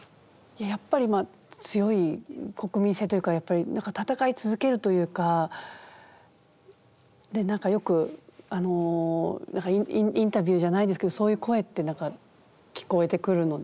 やっぱり強い国民性というか戦い続けるというか何かよくインタビューじゃないですけどそういう声って聞こえてくるので。